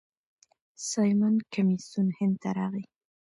سایمن کمیسیون هند ته راغی.